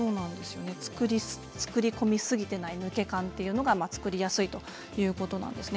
作り込みすぎていない抜け感というのが作りやすいということなんです。